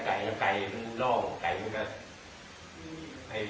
ก็ไปเจ๊กันยังไงเนี่ย